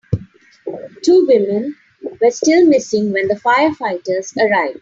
Two women were still missing when the firefighters arrived.